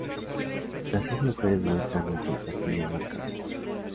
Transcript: Las dos mujeres muestran un contraste bien marcado.